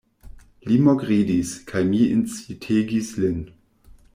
Li mokridis, kaj mi incitegis lin.